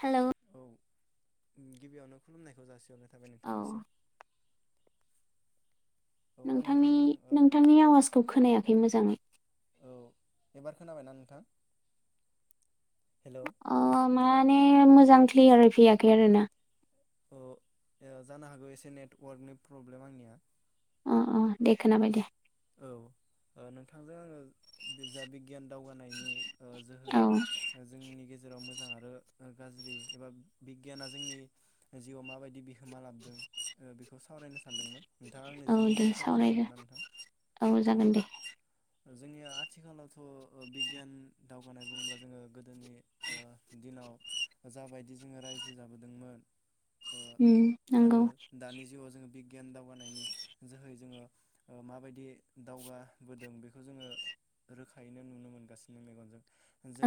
Hello औ गिबियावनो खुलुमनायखौ जासि हरनाय थाबाय औ नोंथांनिसिम। औ आं नोंथांनि नोंथांजों ओ नोंथांनि आवाजखौ खोनायाखै मोजाङै। औ एबार खोनाबायना नोंथां। हेलौ अ माने ने मोजां क्लियार फैयाखै आरोना। अ ओ जानो हागो एसे नेटवारकनि प्रब्लेम आंनिया। अ अ देखोनाबायदे। औ ओ नोंथांजों आङो बिज जा गियान दावगानायनि ओ जोहै औ जोंनि गेज जेराव मोजां आरो ओ गाज्रि एबाब बिगियाना जोंनि जिउआव माबायदि बिहोमा लाबदों ओ बेखौ सावरायनो सानदोंमोन। नोंथाङा आंनो औ जि दे मिनिट सम होनो सावरायगोन हागोन ना नोंथां। औ जागोन दे। जोंनिया आथिखालावथ ओ बिगियान दावगानाय बुंङोब्ला जोंङो गोदोनि ओ दिनाव जाबायदि जोंङो रायजो जाबोदोंमोन। उम आरो नंगौ दानि जुगाव जोङो बि गियान दावगानायनि जोहै जोङो ओ माबायदि दावगा बोदों बेखौ जोङो रोखायैनो नुनो मोनगासिनो मेगनजों।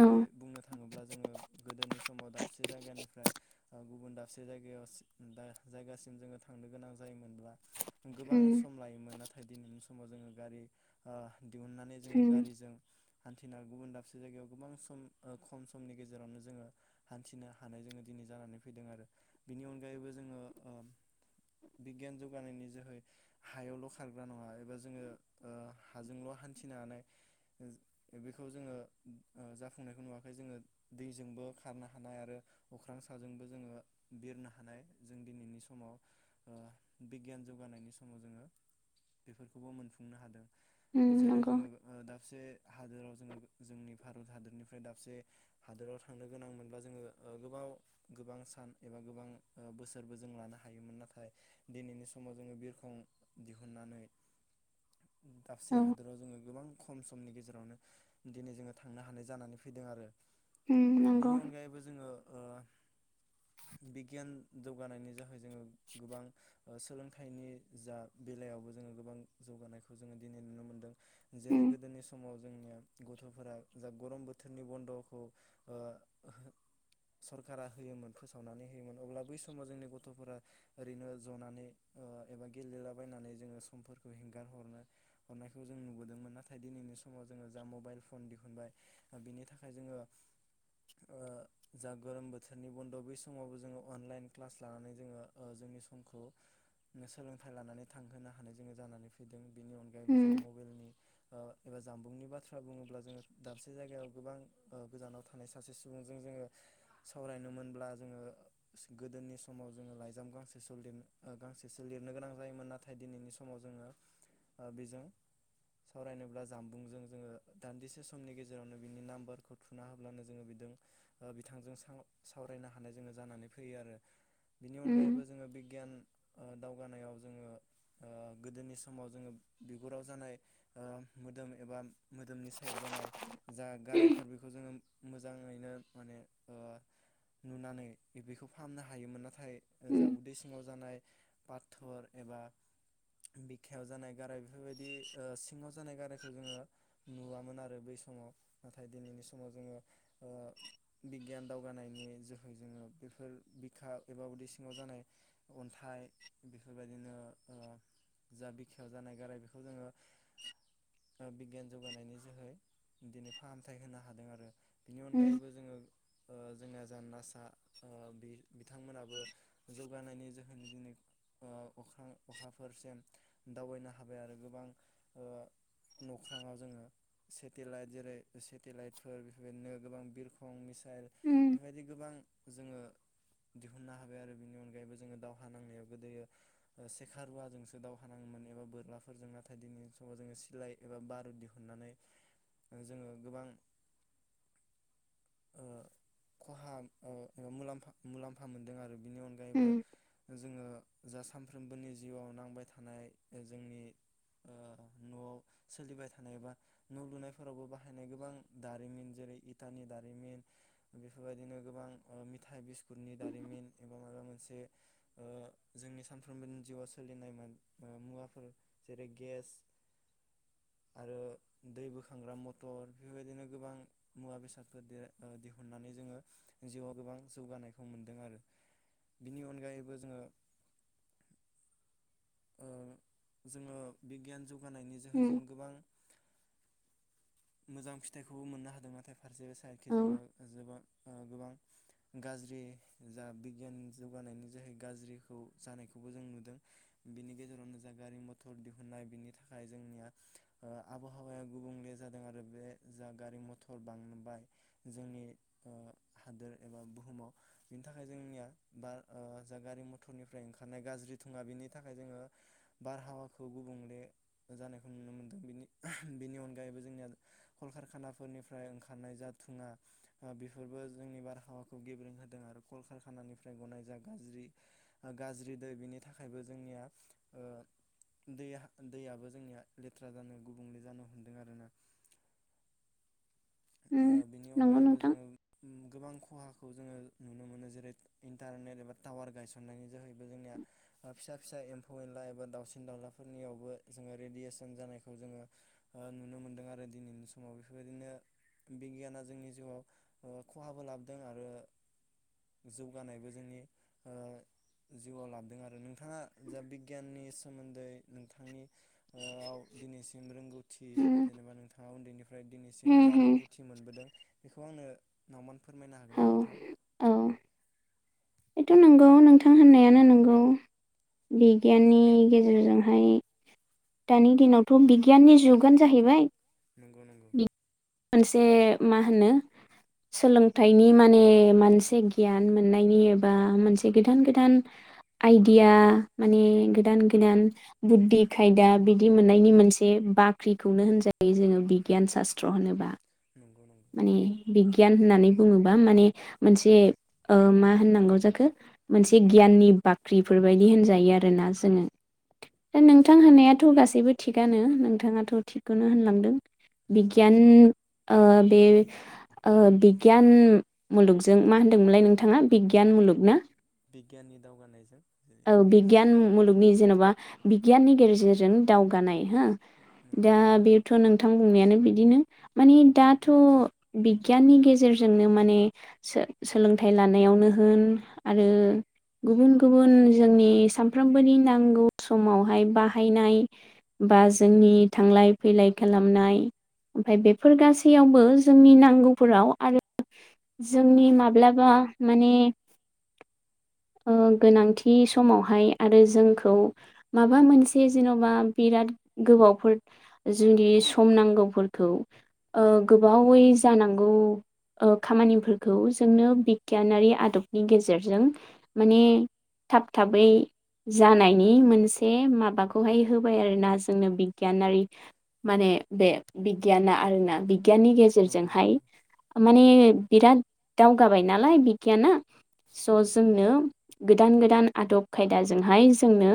औ बुंनो थांङोब्ला जोङो गोदोनि समाव दाबसे जायगानिफ्राय ओ गुबुन दाबसे जायगायाव सि दा जायगासिम जोंङो थांनो गोनां जायोमोनब्ला गोबां उम सम लायोमोन नाथाय दिनैनि स समाव जोङो गारि ओ दिहुननानै जोङो उम गारिजों हान्थिना गुबुन दाबसे जायगायाव गोबां सम ओ खम समनि गेजेरावनो जोंङो हान्थिनो हानाय जोंङो दिनै जानानै फैदों आरो बिनि अनगायैबो जोङो ओ बिगियान जौगानायनि जोहै हायावल खारग्रा नङा एबा ज जोङो ओ हाजोंल हान्थिनो हानाय बेखौ जोङो ओ जाफुंनायखौ नुवाखै जोङो दैजोंबो खारनो हानाय आरो अख्रां साजोंबो जोङो बिरनो हानाय जों दिनैनि समाव ओ बिगियान जौगानायनि समाव जोङो बेफोरख खौबो मोनफुंनो हादों। उम जेरै नंगौ जोङोब ओ दाबसे हादोराव जोङो जोंनि भारत हादोरनिफ्राय दाबसे हादोराव थांनो गोनां मोनब्ला जोङो ओ गोबाव गोबां सान एबा गोबां ओ बोसोरबो जों लानो हायोमोन नाथाय दिनैनि समाव जोङो बिरखं दिहुननानै दाबसे औ हादोराव जोंङो गोबां खम समनि गेजेरावनो दिनै जोङो थांनो हानाय जानानै फैदों आरो। उम बेनि नंगौ अनगायैबो जोङो ओ बिगियान जौगानायनि जाहै जोङो गोबां ओ सोलोंथाइनि जा बेलायावबो जोङो गोबां जौगानायखौ जोङो दिनै नुनो मोनदों जेरै उम गोदोनि समाव जोंनिया गथफोरा जा गरम बोथोरनि बन्दखौ ओ सरखारा होयोमोन फोसावनानै होयोमोन अब्ला बै समाव जोंनि गथफोरा ओरैनो जनानै ओ एबा गेलेलाबायनानै जोङो सम हगारनो हर हरनायखौ जों नुबोदोंमोन नाथाय दिनैनि समाव जोङो जा मबाइल फन दिहुनबाय बिनि थाखाय जोङो जा गोरोम बोथोरनि बन्द बै समावबो जोङो अनलाइन क्लास लानानै जोङो जोंनि समखौ सोलोंथाइ लानानै थांहोनो हानाय जोङो जानानै फैदों। बेनि अनगायैबो जोङो उम मबाइलनि ओ एबा जामबुंनि बाथ्रा बुङोब्ला जोङो दाबसे जायगायाव गोबां गोजानाव थानाय सासे सुबुंजों जोङो सावरायनो मोनब्ला जोङो गोदोनि समाव जोङो लाइजाम गांसेसो लिर आ गांसेसो लिरनो गोनां जायोमोन नाथाय दिनैनि समाव समाव जोङो बेजों सावरायनोब्ला जामबुंजों जोङो दान्दिसे समनि गेजेरावनो बिनि नाम्बारखौ थुना होब्लानो जोङो बेजों बिथांजों सावरायनो हानाय जोङो जानानै फैयो आरो। बिनि उम अनगायैबो जोङो बिगियान ओ दावगानायाव जोङो ओ गोदोनि समाव जोङो बिगुराव जानाय मोदोम एबा मोदोमनि सायाव जानाय जा गारायफोर बेखौ जोङो मोजाङैनो माने ओ नुनानै बेखौ फाहामनो हायोमोन नाथाय थाय जा उम उदै सिङाव जानाय फाथर एबा बिखायाव जानाय गाराय बेफोरबायदि ओ सिङाव जानाय गारायखौ जोङो नुवामोन आरो बै समाव नाथाय दिनैनि समाव जोङो बिगियान दावगानायनि जोहै जोङो बेफोर बिखा एबा उदै सिङाव जानाय अन्थाइ बेफोरबायदि बिदिनो ओ जा बिखायाव जानाय गाराय बेखौ जोङो [inaudible] ओ बिगियान जौगानायनि जोहै दिनै फाहामथाय होनो हादों आरो। बेनि उम अनगायैबो जोङो ओ जोंनि जा नासा ओ बि- बिथांमोनाबो जौगानायनि जोहोनै दिनै अखा अखा फोरसिम दावबायनो हाबाय आरो गोबां ओ नख्राङाव जोङो सेटेलाइट जेरै सेटेलाइटफोर बेफोरबायदिनो गोबां बिरखं मिसाइल उम बेफोरबायदि गोबां जोङो दिहुननो हाबाय आरो बिनि अनगायैबो जोङो दावहा नांनायाव गोदोयो सेखा रुवा जोंसो दावहा नाङोमोन एबा बोरला फोरजों नाथाय दिनैनि समाव जोङो सिलाय एबा बारुद दिहुननानै ओ जोङो गोबां ओ खहा ओ ओ मुलम्फा मोनदों आरो बेनि अनगायैबो उम जोङो जा सानफ्रोमबोनि जिउआव नां बाय थानाय जोंनि ओ नआव सोलिबाय थानाय बा न लुनाय फोरावबो बाहायनाय गोबां दारिमिन जेरै इटानि दारिमिन बिफोर बायदीनो गोबां मिथाइ बिस्कु फोरनि दारिमिन एबा माबा मोन से ओ जोंनि सानफ्रोमबो जिउआ नाय मुवाफोर जेरै गेस आरो दै बोखांग्रा मटर बेफोरबायदिनो गोबां मुवा बेसादफोर दिहुननानै जोङो जिउआव गोबां जौगानायखौ मोनदों आरो बिनि अनगायैबो जोङो ओ जोङो बिगियान जुग बानायनि उम जोहैजों गोबां मोजां फिथाइखौबो मोननो हादों नाथाय फारसे औ सायदखि जोङो जोबोद आ गोबां गाज्रि जा बिगियान जौगानायनि जोहै गाज्रिखौ जानायखौबो जों नुदों बिनि गेजेरावनो जा गारि मथर दिहुननाय बिनि थाखाय जोंनिया आबहावाया गुबुंले जा दों आरो बे जा गारि मथर बांबाय जोंनि ओ हादोर एबा बुहुमाव बिनि थाखाय जोंनिया बा जा गारि मथरनिफ्राय ओंखारनाय गाज्रि दुङा बेनि थाखाय जोङो बारहावाखौ गुबुंले जानायखौ नुनो मोनदोंनि बेनि अनगायैबो जोंनिया कल कारखाना फोरनिफ्राय ओंखारनाय जा थुंङा ओ बेफोरबो जोंनि बारहावाखौ गेब्रेें होदों आरो कल कारखाना निफ्राय गनाय जा गाज्रि आ गाज्रि दै बेनि थाखायबो जोंनिया ओ दैया-दैयाबो जोंनिया लेथ्रा जानो गुबुंले जानो हमदों आरो ना। ओ उम बिनि नंगौ अनगायैबो नोंथां जोंङो उम गोबां खहाखौ जोंङो नुनो मोनो, जेरै इन्टारनेट एबा टावार गायसननायनि जोहैबो जोंनिया फिसा फिसा एम्फौ एनला एबा दावसिन दाउला फोरनियावबो जोंङो रेडियेसन जानायखौ जोंङो ओ नुनो मोनदों आरो दिनैनि समाव बेफोरबायदिनो बिगियाना जोंनि जिउआव ओ खहाबो लाबोदों आरो जौगानायबो जोंनि ओ जिउआव लाबोदों आरो नोंथांङा जा बिगियाननि सोमोन्दै नोंथांनि ओआव दिनैसिम रोंगौथि उम जेनेबा नों थांङा उन्दैनि फ्राय दिनैसिम उम जा उम रोंगौथि मोनबोदों बेखौ आंनो नावमान फोरमायनो हागोन औ ना नोंथां? औ बेथ' नंगौ नोंथां होननायानो नंगौ बिगियाननि गेजेरजोंहाय दानि दिनावथ' बिगियाननि जुगानो जाहैबाय नंगौ नंगौ। मोनसे मा होनो सोलोंथाइनि माने मोनसे गियान मोननायनि एबा मोनसे गोदान गोदान आइदिया माने गोदान गोदान बुद्धि खायदा बिदि मोननायनि मोनसे बाख्रिखौनो होनजायो जोंङो बिगियान सासत्र त्र होनोबा नंगौ नंगौ माने बिगियान होननानै बुंङोबा माने मोनसे ओ मा होननांगौ जाखो मोनसे गियाननि बाख्रिफोरबायायदि होनजायो आरोना जोंङो दा नोंथां होननायाथ' गासैबो थिगानो नोंथांङाथ' थिगखौनो होनलांदों नंगौ बिगियान ओ बे ओ बिगियान मुलुगजों मा होनदोंमोनलाय नोंथांङा बिगियान मुलुगना? बिगियाननि दावगानायजों जेरै बिगियान मुलुगनि जेन'बा बिगियाननि गेरजेरजों दावगानाय हो नंगौ दा नंगौ बेथ' नोंथां बुंनायानो बिदिनो माने दा थ' बिगियाननि गेजेरजोंनो माने सो-सोलोंथाइ लानायावनो होन आरो गुबुन गुबुन जोंनि सानफ्रोमबोनि नांगौ समावहाय बाहायनाय बा जोंनि थांलाय फैलाय खालामनाय ओमफ्राय बेफोर गासै सैयावबो जोंनि नांगौफोराव आरो जोंनि माब्लाबा माने ओ गोनांथि समावहाय आरो जोंखौ माबा मोनसे जेन'बा बिराद गोबावफोर जुदि सम नांगौफोरखौ ओ औ गोबावै औ जानांगौ ओ खामानिफोरखौ जोंनो बिगियानारि आदबनि गेजेरजों माने थाब थाबै जानायनि मोनसे माबाखौहाय होबाय आरोना जोंनो बिगियानारि माने बे बिगियाना आरोना बिगियाननि नंगौ गेजेरजोंहाय नंगौ माने बिराद दावगाबाय नालाय बिगियाना स' जोंनो गोदान गोदान आदब खायदाजोंहाय जोंनो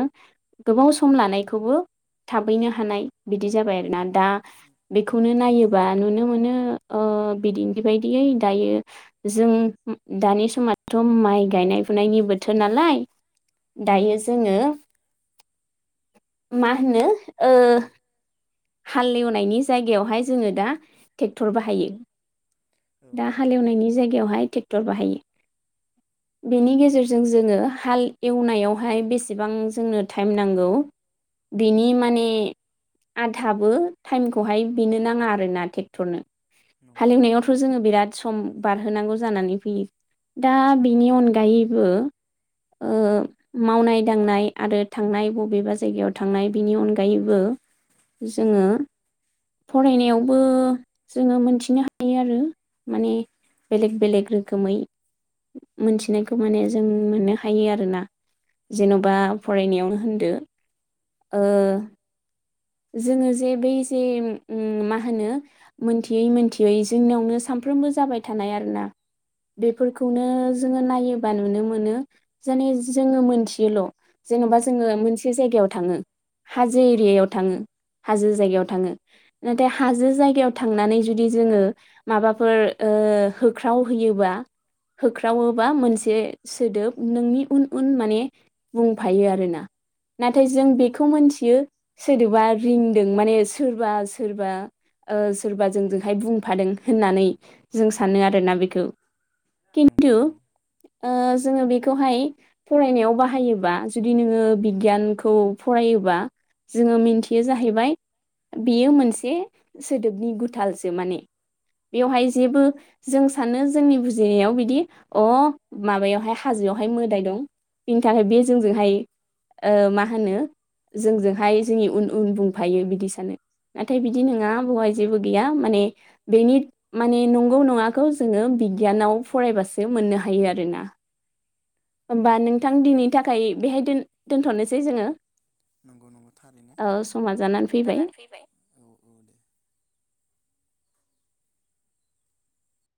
गोबाव सम लानायखौबो थाबैनो हानाय बिदि जाबाय आरोना दा बेखौनो नंगौ नंगौ नायो थारैनो नुनो मोनो ओ बिदिन्थि बायदियै दायो जों दानि समावथ' माइ गायनाय फुनायनि बोथोर नालाय दायो नंगौ जोंङो नंगौ मा होनो ओ हालेवनायनि जायगायावहाय जोंङो दा ट्रेक्टर बाहायो। औ औ दा थारैनो हालेवनायनि जायगायावहाय ट्रेक्टर बाहायो। औ बेनि औ गेजेरजों जोंङो हाल एवनायावहाय बेसेबां जोंनो टाइम नांगौ बिनि माने आदाबो टाइमखौहाय बेनो नांङा आरोना ट्रेक्टरनो। नंगौ नंगौ हालेवनायावथ' जोङो बिराद सम बारहोनांगौ जानानै फैयो, दा बिनि अनगायैबो ओ मावनाय दांनाय आरो थांनाय बबेबा जायगायाव थांनाय बिनि अनगायैबो, जोङो फरायनायावबो, जोङो मोनथिनो हायो आरो माने बेलेग बेलेग रोखोमै, मोनथिनायखौ माने जों मोननो हायो आरोना। नंगौ जेन'बा नंगौ फरायनायावनो होन [unintelligible] ओ जोङो जे बै जे उम मा होनो? मोनथियै मोनथियै जोंनियावनो सानफ्रोमबो जाबाय थानाय आरोना बेफोरखौनो जोङो नायोबा नुनो मोनो जेन' जोङो मोनथियोल' जेनेबा जोङो मोनसे जायगायाव थाङो, हाजो एरियायाव थाङो, हाजो जायगायाव थाङो, नाथाय हाजो जायगायाव थांनानै जुदि जोङो माबाफोर ओ होख्राव हैयोबा होख्रावोबा मोनसे सोदोब नोंनि उन उन माने बुंफायो आरोना। औ नाथाय औ जों नंगौ बेखौ मोनथियो, सोदोबा रिंदों माने सोरबा सोरबा ओ सोरबा जोंजोंहाय बुंफादों होननानै जों सानो आरोना बेखौ। नंगौ खिन्थु नंगौ ओ जोङो बेखौहाय फरायनायाव बाहायोबा जुदि नोङो बिगियानखौ फरायोबा जोङो मोनथि बेयो जाहैबाय बेयो मोनसे सोदोबनि गुथालसो माने बेवहाय जेबो जों सानो जोंनि बुजिनायाव बिदि अ माबायावहाय हाजोआवहाय मोदाय दं बिनि थाखाय बे जोंजोंहाय, ओ मा होनो? जोंजोंहाय गोमफादों जोंनि आरोना उन बुंफायो बिदि सानो नाथाय नंगौ बिदि नंगौ नङा बहाय जेबो गैया। माने बेनि माने नंगौ नङाखौ जोङो बिगियानाव फरायबासो मोननो हायो आरोना। औ ओमबा थारैनो नोंथां दिनैनि थाखाय बेहाय दोन दोनथ'नोसै जोङो। नंगौ नंगौ थारैनो ओ समा जानानै दानानै फैबाय, औ औ दे।